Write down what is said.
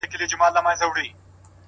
خدايه ښه نـری بـاران پرې وكړې نن’